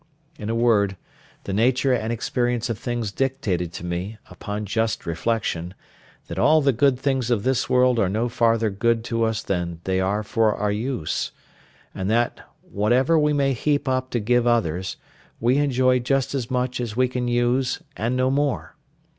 In a word, the nature and experience of things dictated to me, upon just reflection, that all the good things of this world are no farther good to us than they are for our use; and that, whatever we may heap up to give others, we enjoy just as much as we can use, and no more.